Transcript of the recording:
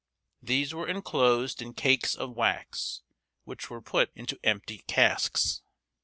These were inclosed in cakes of wax, which were put into empty casks.